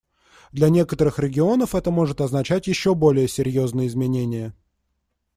Для некоторых регионов это может означать еще более серьезные изменения.